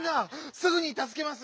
すぐにたすけますね。